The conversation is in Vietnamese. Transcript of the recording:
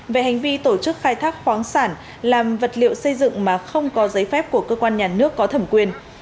về hành vi tổ chức khai thác khoáng sản làm vật liệu xây dựng mà không có giấy phép của cơ quan nhà nước có thẩm quyền